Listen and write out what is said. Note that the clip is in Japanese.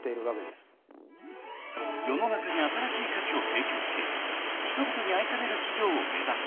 ［世の中に新しい価値を提供し人々に愛される企業を目指す］